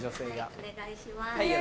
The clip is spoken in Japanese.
お願いします。